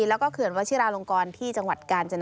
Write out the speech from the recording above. แล้วก็เขื่อนวัชิราลงกรที่จังหวัดกาญจน